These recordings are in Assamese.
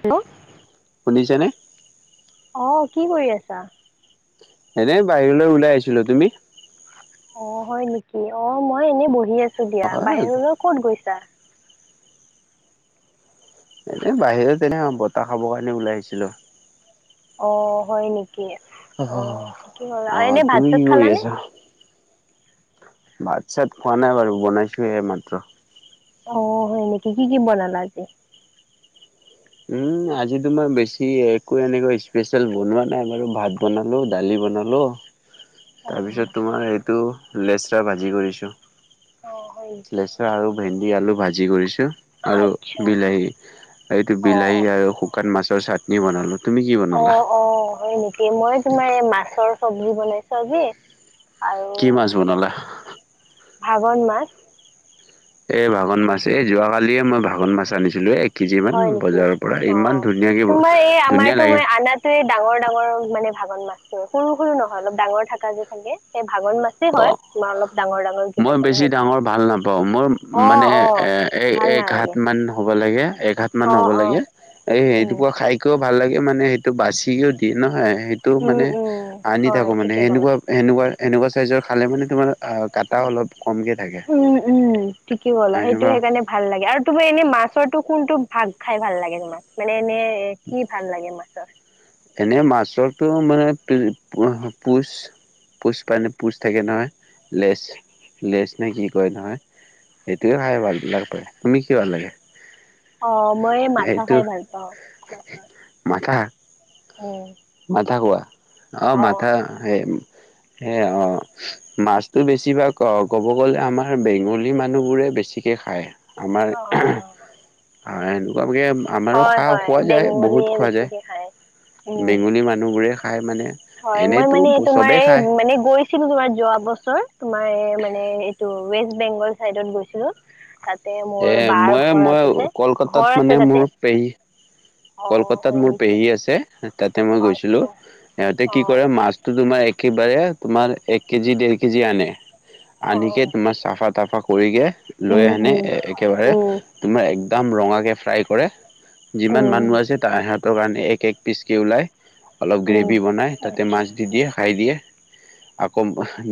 হেল্ল' শুনিছে নে? অ, কি কৰি আছা? এনে বাহিৰলে ওলাই আহিছিলো, তুমি? অ হয় নেকি? অ মই এনেই বহি আছো দিয়া। হয় বাহিৰলৈ ক'ত গৈছা? এনে বাহিৰত তেনে বতাহ খাবৰ কাৰণে ওলাই আহিছিলো। অ, হয় নেকি? অ ঠিকেই হ' অ আৰু এনে তুমি ভাত-চাত কি খালানে? ভাত-চাত খোৱা নাই বাৰু, বনাইছো এইমাত্ৰ। অ হয় নেকি? কি-কি বনালা আজি? উম আজি তোমাৰ বেছি একো এনেকুৱা স্পেচিয়েল বনোৱা নাই বাৰু। ভাত বনালো, দালি বনালো, অ', তাৰপাছত তোমাৰ সেইটো লেচেৰা ভাজি কৰিছোঁ। অ', হয় নেকি? লেছেৰা আৰু ভেন্দি, আলু ভাজি কৰিছো। আৰু আচ্ছা। বিলাহী এইটো বিলাহী অ', আৰু শুকান মাছৰ চাটনি বনালো। তুমি কি বনালা? অ-অ হয় নেকি? মই তোমাৰ এই মাছৰ চব্জি বনাইছো আজি। আৰু কি মাছ বনালা? ভাগন মাছ। এ ভাগন মাছ এ, যোৱাকালিয়ে মই ভাগন মাছ আনিছিলো এ হয় নেকি? অ তোমাৰ এই ধুনীয়া আমাৰতো লাগে মই আনাটোৱে ডাঙৰ ডাঙৰ মানে। ভাগন মাছটো, সৰু সৰু নহয় অলপ ডাঙৰ থাকা যে থাকে। সেই ভাগন মাছেই অ হয়। তোমাৰ অলপ ডাঙৰ ডাঙৰ যে মই থাকে ন বেছি সেইটো ডাঙৰ ভাল নাপাওঁ। মোৰ অ মানে অ এ এক ভাল এক হাত নালাগে মান হ'ব লাগে। এঘাত মান অ হ'ব অ লাগে। এই উম এটুকুৰ খাই খুব ভাল লাগে মানে সেইটো বাচিও দিয়ে নহয়। সেইটো উম মানে উম আনি হয় থাকোঁ, মানে ঠিকে ক'লা সেনেকুৱা-সেনেকুৱা-সেনেকুৱা চাইজৰ খালে মানে তোমাৰ কাটা অলপ কমকে থাকে। কি হল সেইটো সেনেকুৱা সেইকাৰণে ভাল লাগে। আৰু তোমাৰ এনেই মাছৰটো কোনটো ভাগ খাই ভাল লাগে তোমাৰ? মানে এনে এ কি ভাল লাগে মাছৰ? এনেই মাছৰটো মানে পুচ পুষ্ট পানে পুষ্ট থাকে নহয়। লেছ, লেছ নে কি কয় নহয়। সেইটোৱে খাই ভাল লাগ পায়। তুমি কি ভাল লাগে? অ মই মাথা সেইটো খাই ভাল পাওঁ। উম কিয়া হোৱা? অ মাথা সেই সে অ মাছতো বেছিভাগ অ ক'ব গ'লে আমাৰ বেংগলী মানুহবোৰে বেছি খায়। আমাৰ অ এ ম [unintelligible] আমাৰো হয় খা হয় খোৱা যায়, বহুত বেংগলীয়ে খোৱা বেছিকে খায়। যায়। উম, বেংগলী মানুহবোৰে খাই মানে। হয়, মই এনেতো মানে তোমাৰ চবেই এই খায় মানে গৈছিলো তোমাৰ যোৱা বছৰ। তোমাৰ মানে এইটো ৱেষ্ট বেংগল চাইডত গৈছিলো। তাতে এ মোৰ বাৰ মই ঘৰ মই আছে, কলকাতাত ঘৰ মানে আছে মোৰ তাতে। পেহী অ কলকাতাত হয় মোৰ নেকি পেহী আছে, তাতে মই গৈছিলো। আচ্ছা সিহঁতে অ কি কৰে মাছতো তোমাৰ একেবাৰে তোমাৰ এক কেজি, দেৰ কেজি আনে। অ আনকি তোমাৰ চাফা তাফা কৰিকে লৈ উম আনে। উম একেবাৰে উম তোমাৰ একদম ৰঙাকে ফ্ৰাই কৰে, যিমান উম মানুহ আছে তাহাঁতৰ কাৰণে এক এক পিচকৈ ওলায়। অলপ উম গ্ৰেভি বনাই, তাতে মাছ আচ্ছা দি দিয়ে খাই দিয়ে। আকৌ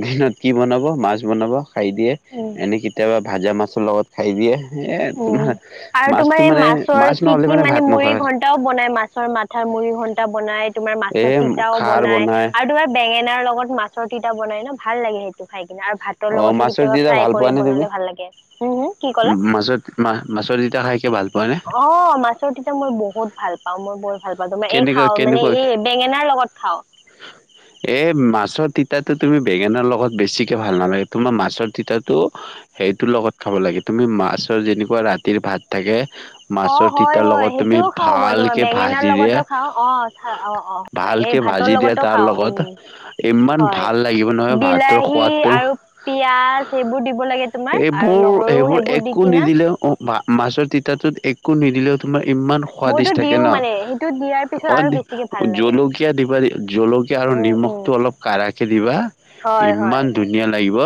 দিনত কি বনাব মাছ বনাব। খাই দিয়ে। উম এনেই কেতিয়াবা ভাজা মাছৰ লগত খাই দিয়ে। এ তোমাৰ উম আৰু তোমাৰ মাছটো এই মানে মাছৰ মাছ কি নহ'লে কি মানে ভাত মুৰি নোখোৱা ঘন্টাও বনাই মাছৰ মাথাৰ। মুৰি ঘন্টা বনায়, তোমাৰ এ মাছৰ তিতাও খাৰ বনাই, আৰু তোমাৰ বেঙে নাৰ লগত মাছৰ তিতা বনাই ন, ভাল লাগে সেইটো খাই। আৰু ভাতৰ অ লগতো মাছৰ কেতিয়াবা তিতা ফ্ৰাই ভাল পোৱা কৰি নে তুমি? বনালে ভাল লাগে। হুম-হুম কি ক'লা? মাছত মা মাছৰ তিতা খাইকে ভাত অ মাছৰ তিতা মই বহুত ভাল পাওঁ। মই বহুত ভাল পাওঁ। তোমাৰ এই কেনেকুৱা খাও, মানে কেনেকুৱা এই বেঙেনাৰ লগত খাও। এ মাছৰ তিতাটো তুমি বেগেনাৰ লগত বেছিকে ভাল নালাগে, তোমাৰ মাছৰ তিতাটো হেইটোৰ লগত খাব লাগে। তুমি মাছৰ যেনেকুৱা ৰাতিৰ ভাত থাকে। মাছৰ অ হয় তিতাৰ হয় লগত তুমি সেইটোও খাওঁ মই তোমাৰ ভালকে ভা বেঙেনাৰ জি দিয়া, লগতো খাওঁ অ অ অ হয় এই ভালকে ভাতৰ ভাজি দিয়া লগতো তাৰ খাওঁ লগত। উম ইমান হয় ভাল লাগিব নহয় ভাতৰ বিলাহী সোৱাদটো। আৰু পিয়াজ সেইবোৰ দিব লাগে তোমাৰ আৰু এইবোৰ, নহৰু এইবোৰ এক সেইবোৰ দি একো কিনা নিদিলেও মাছৰ তিতাটোত একো নিদিলেও তোমাৰ ইমান মইতো সোৱাদিষ্ট থাকে দিও ন। মানে সেইটো দিয়াৰ পিছত অ, আৰু বেছিকে ভাল লাগে জলকীয়া দিবা, জলকীয়া আৰু উম উম নিমখটো অলপ কাৰাকে দিবা, হয় হয় ইমান ধুনীয়া লাগিব।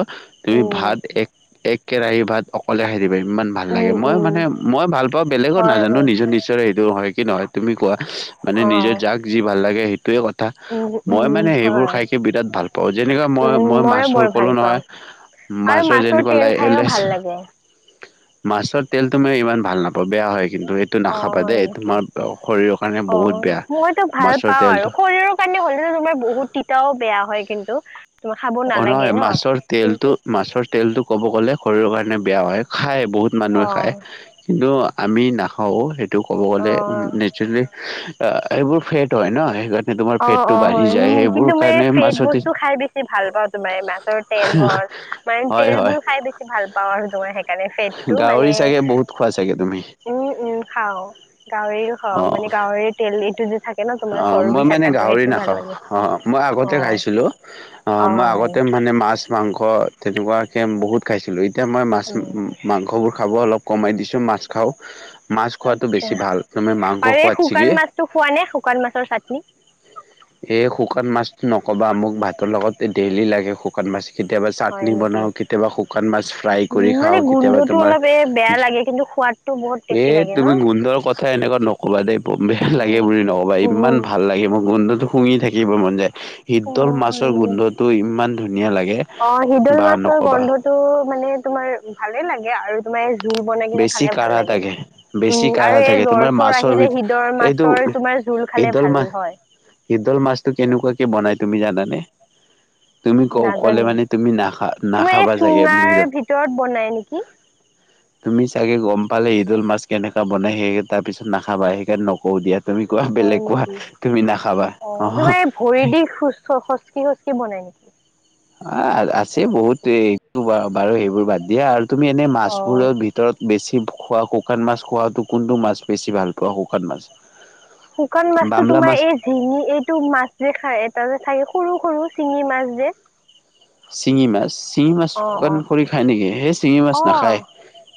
তুমি উম ভাত এক-এক কেৰাহী ভাত অকলে খাই দিবা। ইমান ভাল লাগে। উম মই উম মানে মই ভাল পাওঁ। বেলেগৰ হয় নাজানো, হয় নিজৰ নিশ্চৰে সেইটো, হয় কি নহয়? তুমি কোৱা। মানে অ নিজৰ যাক যি ভাল লাগে সেইটোয়ে ক থা উম মই উম মানে সেইবোৰ হয় খাই কি বিৰাট ভাল পাওঁ। যেনেকা মই উম মই ময়ো বৰ মাছৰ ভাল কলো পাওঁ নহয়। আৰু মাছৰ যেনেকুৱা তেল লাই খাইও এলেছ ভাল লাগে মাছৰ তেলটো মই ইমান ভাল নাপাওঁ, বেয়া হয় কিন্তু। এইটো অ নাখাবা হয় দেই, নেকি তোমাৰ শৰীৰৰ কাৰণে অ, বহুত বেয়া মইতো ভাল মাছৰ পাও তেলটো আৰু শৰীৰৰ কাৰণে হ'লেও তোমাৰ বহুত তিতাও বেয়া হয় কিন অ নহয় মাছৰ কিন্তু তেলটো, মাছৰ তেলটো ক'ব গ'লে শৰীৰৰ কাৰণে বেয়া হয়। খাই বহুত মানুহে অ খায়। কিন্তু আমি নাখাওঁ। সেইটো ক'ব গ'লে অ নেচাৰে অ, এইবোৰ ফেট হয় ন, সেই অ-অ হয়, উ কিন্তু মে ফেদ মাছত বস্তু খাই বেছি ভা ভাল পাওঁ তোমাৰ মাছৰ তেল হল মানে হয় তেল হয় বোৰ খাই বেছি ভাল পাওঁ আৰু তোমাৰ সেইকাৰণে ফেটটো গাহৰি ছাগে বহুত খোৱা ছাগে? উম-উম খাও গাহৰিটো অ, মানে গাৱৰে তেল এইটো যে থাকে ন তোমাৰ অ চৰবি মই থা মানে গাহৰি নাখাও। অ মই আগতে খাইছিলো। অ মই হয় আগতে নেকি মানে মাছ, মাংস ক ' তেনেকুৱাকে বহুত খাইছিলোঁ এতিয়া মই মাছ উম -মাংসবোৰ খাব অলপ কমাই দিছো মাছ খাওঁ মাছ খোৱাটো আতছা বেছি ভাল তুমি মাংস আৰে খোৱাত শুকান ছিগি মাছটো খোৱা নে শুকান মাছৰ চাটনি? এই শুকান মাছ নকবা, মোক ভাতৰ লগত ডেইলি লাগে শুকান মাছ। কেতিয়াবা হয় চাটনি নেকি বনাও, কেতিয়াবা শুকান মাছ ফ্ৰাই কৰি উম মানে খাওঁ, কেতিয়াবা গোন্ধটো তোমাৰ অলপ এ বেয়া লাগে কিন্তু সোৱাদটো বহুত এ টেষ্টি লাগে ন তুমি গোন্ধৰ কথা এনেকুৱা নকবা দেই। বৰ বেয়া লাগে উম বুলি নকবা। ইমান উম ভা ভাল লাগে মোৰ। গোন্ধটো শুঙি থাকিব মন যায়। অ শীতল হয় মাছৰ নেকি গোন্ধটো ইমান ধুনীয়া লাগে অ শিদল বা মাছৰ নক'বা গন্ধটো মানে তোমাৰ ভালে লাগে আৰু তোমাৰ জোল বনাই কিনে বেছি খালে ভাল কাঢ়া লাগে। থাকে উম বেছি কাঢ়া আৰু এই থাকে তোমাৰ জ্বৰ-চৰ মাছৰ আহিলে ভিতৰত হৃদৰ এইটো মাছৰ তোমাৰ জোল খালে ভাল হয়। শীদল মাছটো কেনেকুৱাকে বনাই তুমি জানানে? তুমি ক ক'লে নাজানো মানে তুমি নাখা তোমাৰ এই নাখাবা চাগে। চুঙাৰ ভিতৰত বনাই [inaudible] তুমি চাগে গম পালে ইদল মাছ কেনকা বনাই সেই তাৰ পিছত নাখ খাবা সেইকাৰণে নকৌ দিয়া। তুমি কোৱা হয় বেলেগ কোৱা, নেকি তুমি নাখাবা অ। কি হুচকি বনাই নে অ, আছে বহুত দেই। সেইবোৰ বাদ দিয়া আৰু তুমি এনে অ মাছবোৰৰ ভিতৰত বেছি খোৱা শুকান মাছ খোৱাটো কোনটো মাছ বেছি ভাল পোৱা শুকান মাছ? শুকান মাছতো বামলা তোমাৰ মাছ এই জিঙি এইটো মাছ যে খাই এটা যে থাকে সৰু -সৰু চিঙি মাছ যে চিঙি মাছ- চিঙি মাছ অ শুকান অ কৰি খায় নেকি সে চিঙি মাছ অ নাখায়।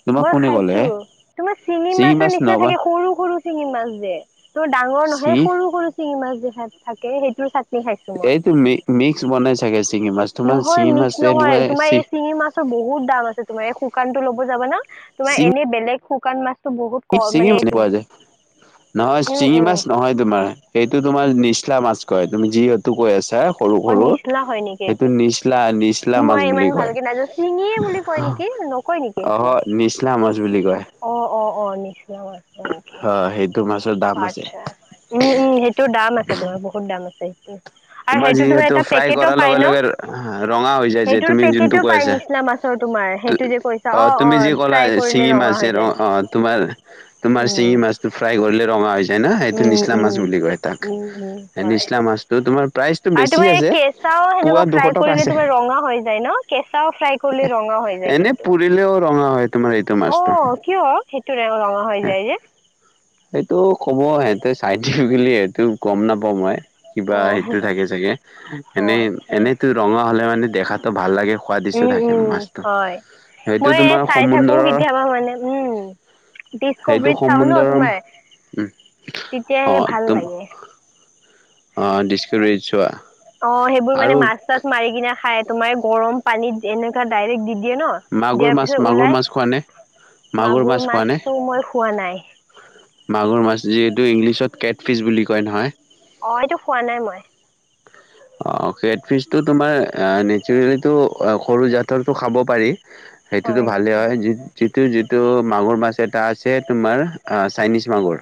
তোমাক মই কোনে ক'লে খাইছো হে তোমাৰ চিঙি শিঙি মাছৰ মাছ নিচিনা নবা থাকে সৰু -সৰু চিঙি মাছ যে ত' ডাঙৰ নাহে শিঙি সৰু -সৰু চিঙি মাছ যে থাকে সেইটো এইটো মি -মিক্স বনাই চাগে চিঙি মাছ তোমাৰ নহয় চিঙি মাছ মিক্স নহয় এনেকুৱা তোমাৰ চি এই চিঙি মাছৰ বহুত দাম আছে তোমাৰ এই শুকানতো লব যাবা ন তোমাৰ এনে বেলেগ শুকান মাছ কি চিঙি মাছ পোৱা যায় নহয় উম চিঙি উম মাছ নহয় তোমাৰ সেইটো তোমাৰ নিচ নিচিলা মাছ কয় তুমি যিহেতু কৈ আছা এ সৰু অ -সৰু নিচলা হয় নেকি সেইটো এইটো নিচলা- নিচলা মাছ মই ইমান বুলি কয়। ভালকে নাজানো চিঙিয়ে বুলি কয় নেকি নকয় অহ, নিচলা মাছ বুলি কয়। অহ - অহ - অহ নিচলা মাছ কয় নেকি? অ সেইটো মাছৰ দাম অহ, আছে আতছা উম -উম সেইটো দাম আছে তোমাৰ বহুত দাম আছে। আৰু তোমাৰ সেইটো যিহেতু এটা ফ্ৰাই পেকেটো কৰাৰ পাই লগে- ন লগে ৰঙা হৈ যায় যে সেইটোৰ তুমি যোনটো পেকেটো কয় পাই আছা নিচিনা মাছৰ তোমাৰ সেইটো যে কৈছা অ অহ, অ তুমি যি ক'লা ফ্ৰাই কৰিলে ছিঙি ৰঙা মাছ হৈ অহ যায় -অহ তোমাৰ তোমাৰ উম চিঙি মাছটো ফ্ৰাই কৰিলে ৰঙা হৈ যায় না সেইটো উম নিচলা উম মাছ বুলি কয় তাক উম উম হয় নিচলা মাছটো তোমাৰ প্ৰাইচটো আৰু বেছি তোমাৰ এই আছে কেঁচাও পোৱা সেনেকুৱা দুশ ফ্ৰাই টকা কৰিলে আছে তোমাৰ ৰঙা হৈ যায় ন' কেঁচাও ফ্ৰাই কৰিলে ৰঙা হৈ যায় এনে পুৰিলেও ৰঙা হয় তোমাৰ এইটো কিন্ত মাছটো অহ কিয় সেইটোৰে ৰঙা হৈ যায় যে [inaudible] সেইটো ক'ব সিহঁতে চাইনিজ বুলি সেইটো গম নাপাও মই কিবা অ এইটো থাকে চাগে অ এনেই- আচ্ছা এনেইতো ৰঙা হ'লে মানে দেখাটো ভাল লাগে। হোৱাদিচো উম থাকে উম মাছটো হয় সেইটো মই তোমাৰ চাই থাকো সমুদ্ৰৰ কেতিয়াবা মানে উম সেইটো ডিচকভাৰীত চাও ন সম্বুধৰ উম তোমাৰ তেতিয়াহে অহ ভাল তুম লাগে অহ, ডিছকাৰেজ চোৱা। অহ, সেইবোৰ মানে আৰু মাছ -চাছ মাৰি কিনে খাই তোমাৰ গৰম পানীত এনেকুৱা ডাইৰেক্ট দি দিয়ে ন' মাগুৰ দিয়াৰ মাছ পিছত মাগুৰ ওলাই মাছ খোৱা নে মাছ মাগুৰ খোৱা নে মাছটো মই খোৱা নাই। মাগুৰ মাছ যিহেতু ইংলিছত কেটফিচ বুলি কয় নহয়। অ এইটো খোৱা নাই মই। অ কেটফিচটো তোমাৰ নেচাৰেলিটো সৰু জাতৰটো খাব পাৰি। সেইটোতো হয় ভালেই নেকি হয়। যি যিটো যিটো মাগুৰ মাছ ইয়াত এটা আছে তোমাৰ আ চাইনিজ মাগুৰ।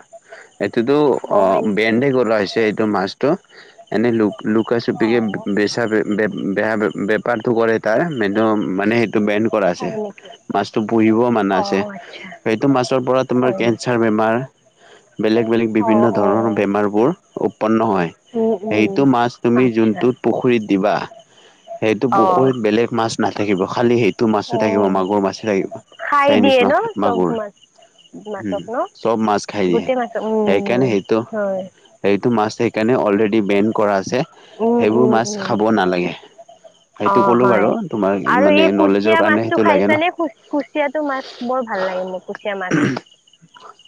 এইটোতো অ হয় অহ নেকি বেন্দে কৰা হৈছে এইটো মাছটো এনে লোক - লোক চুকা অ চুপিকে বে -বেচা বেহা বেপাৰটো কৰে তাৰ মেনো মানে এইটো বেন কৰা আছে হয় নেকি মাছটো পুৰিব সমান অ আছে আচ্ছা সেইটো মাছৰ পৰা তোমাৰ হয় নেকি কেঞ্চাৰ বেমাৰ বেলেগ -বেলেগ অ বিভিন্ন অ ধৰণৰ আচ্ছা বেমাৰবোৰ উৎপন্ন হয় উম উম সেইটো মাছ তুমি আচ্ছা যোনটো পুখুৰীত দিবা সেইটো অ পুখুৰীত বেলেগ মাছ নাথাকিব খালি হেই টো মাছো অ থাকিব মাগুৰ মাছে থাকিব খাই চাইনিছ দিয়ে ন মাছ চব মাগুৰ মাছ হম, মাছক ন ছব মাছ খাই দিয়ে গোটেই মাছক সেইকাৰণে উম সেইটো- হয় সেইটো মা মাছ সেইকাৰণে অলৰেডী বেণ্ড কৰা আছে উম সেইবোৰ উম মাছ উম খাব নালাগে। অ সেইটো ক'লো হয় বাৰু তোমা আৰু এই কুচিয়া মাছটো খাইছ নে কুচিয়াটো মাছ বৰ ভাল লাগে মোৰ কুচিয়া মাছ [inaudible]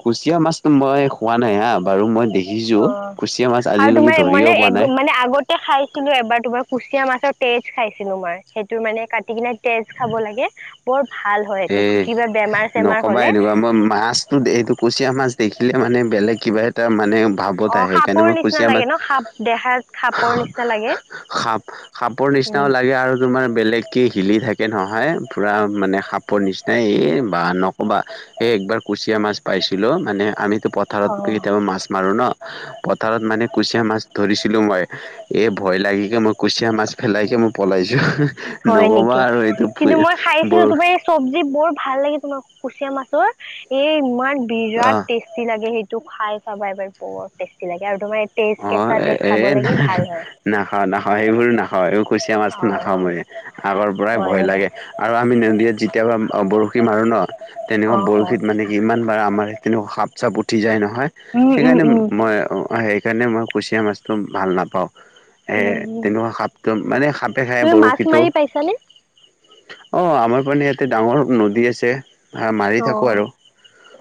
কুচিয়া মাছ মই খোৱা নাই হা বাৰু মই দেখিছো কুচিয়া মাছ আৰু আজিলৈকে তোমাৰ ধৰিয় মানে পোৱা নাই মানে আগতে খাইছিলো এবাৰ তোমাৰ কুচিয়া মাছৰ তেজ খাইছিলো মই সেইটো মানে কাটি কিনে তেজ খাব লাগে। বৰ ভাল হয় হে এইটো কিবা বেমাৰ চেমাৰ নক'বা হলে এনেকুৱা। মই মাছতো এইটো কুচিয়া মাছ দেখিলে মানে বেলেগ কিবা এটা মানে ভাৱত অ আহে। সেইকাৰণে সাপৰ মই নিচিনা কুছিয়া লাগে মাছ ন সাপ দেহাত হ্ সাপৰ হ্ নিচিনা লাগে সাপ-সাপৰ নিচিনাও উম লাগে আৰু তোমাৰ বেলেগকে হিলি থাকে। চিকেন সহায় পুৰা মানে সাপৰ নিচিনাই, এই বা নকবা একবাৰ কুচি কতিয়া মাছ পাইছিলো মানে আমিতো পথাৰত অ কেতিয়াবা মাছ মাৰো ন। পথাৰত মানে কুচিয়া মাছ ধৰিছিলো মই। এ ভয় লাগি কি মই কুচিয়া মাছ ফেলায়কে মই পলাইছো। হি হ হয় নকবা নেকি? আৰু এইটো কিন্তু মই খাইছিলো বৰ তোমাৰ এই চব্জি বৰ ভাল লাগে তোমাৰ কুচিয়া মাছৰ। এই ইমান বিৰাট অ টেষ্টি লাগে সেই টো খাই চাবা এবাৰ। বৰ টেষ্টি লাগে আৰু তোমাৰ তেজ অ কেঁচা এ তেজ এ খাব ন লাগে ভাল হয়। নাখাও, নাখাও, সেইবোৰ নাখাও। এইবোৰ কুচিয়া মাছটো নাখাও অ' মই। আগৰ পৰাই হয় ভয় নেকি? লাগে আৰু আমি নদীত যেতিয়াবা বৰশী মাৰো ন। তেনেকুৱা অ' বৰ অ' মানে আচ্ছা। কি ইমান বাৰ আমাৰ সিপিনেও সাপ চাপ উঠ উঠি যাই নহয়, উম উম সেইকাৰণে উম মই সেইকাৰণে মই কুচিয়া মাছটো ভাল নাপাওঁ। এ উম তেনেকুৱা সাপটো মানে সাপে খায় তুমি মাছ বৰশীটো। মাৰি পাইছানে? অ, আমাৰ মানে ইয়াতে ডাঙৰ নদী আছে, আহ মাৰি থাকো আৰু। অ'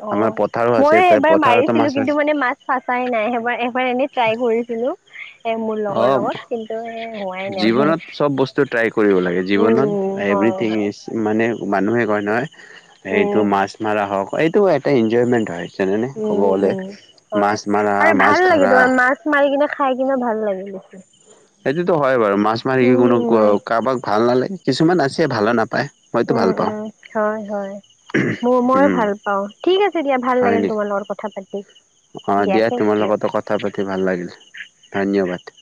অ, আমাৰ পথাৰো আছে মই ত এবাৰ পথাৰতো মাৰিছিলো। মাছ আছে কিন্তু মানে মাছ ফাচাই নাই। সেইবাৰ এবাৰ এনে ট্ৰাই কৰিছিলো এ মোৰ লগৰ অ লগত কিন্তু এ হোৱাই নাই জীৱনত চব বস্তু ট্ৰাই কৰিব লাগে। জীৱনত উম হয় এভৰিথিং হয় ইজ মানে মানুহে কয় নহয় হেৰিটো উম মাছ মৰা হওক। এইটো এটা এনজয়মেণ্ট হয়। যেনেনে ক'ব উম গ'লে উম হয় মাছ মৰা, আৰু মাছ ভাল লাগে ধৰা তোমাৰ মাছ মাৰি কিনে খাই কিনে ভাল লাগে বেছি। সেইটোতো হয় বাৰু। মাছ মাৰি উম কোনো ক উম [unintelligible] কাৰোবাক ভাল নালাগে কিছুমান আছে ভালো নাপায়। মইতো ভাল পাওঁ উম-উম, হয়-হয়। ম মই উম ভাল পাওঁ। ঠিক আছে দিয়া, ভাল হয় লাগিল নেকি তোমাৰ লগত কথা পাতি। অ, দিয়া থেংক তোমাৰ ইউ লগতো কথা পাতি ভাল লাগিল, ধন্যবাদ।